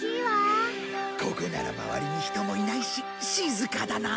ここなら周りに人もいないし静かだな。